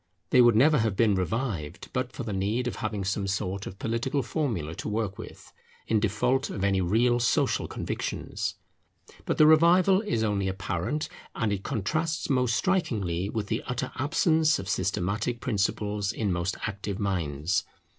They would never have been revived but for the need of having some sort of political formula to work with, in default of any real social convictions. But the revival is only apparent, and it contrasts most strikingly with the utter absence of systematic principles in most active minds.